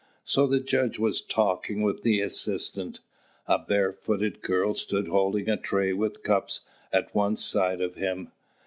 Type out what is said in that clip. So the judge was talking with the assistant. A barefooted girl stood holding a tray with cups at once side of them.